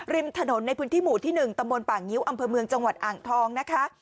ริมถนนในพื้นที่หมู่ที่๑ตำบลป่างิ้วอำเภอเมืองจังหวัดอ่างทองนะคะ